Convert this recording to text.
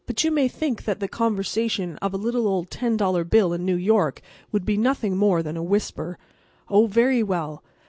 But you may think that the conversation of a little old ten dollar bill in New York would be nothing more than a whisper. Oh, very well!